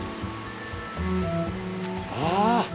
ああ！